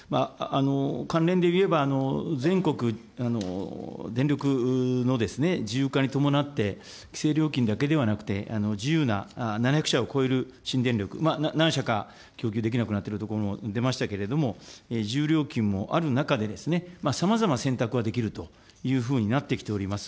関連で言えば、全国電力の自由化に伴って、きせい料金だけではなくて、自由な７００社を超える新電力、何社か供給できなくなっているところも出ましたけれども、自由料金もある中で、さまざま選択はできるというふうになってきております。